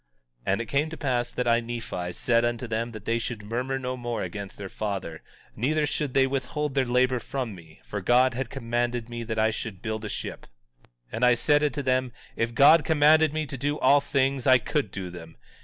17:49 And it came to pass that I, Nephi, said unto them that they should murmur no more against their father; neither should they withhold their labor from me, for God had commanded me that I should build a ship. 17:50 And I said unto them: If God had commanded me to do all things I could do them.